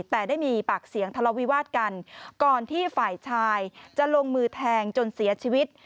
แต่ได้มีปากเสียงทะเลาวิวาสกันก่อนที่ฝ่ายชายจะลงมือแทงจนเสียชีวิต